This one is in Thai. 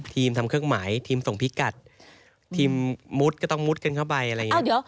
ทีมทำเครื่องหมายทีมส่งพิกัดทีมมุดก็ต้องมุดกันเข้าไปอะไรอย่างนี้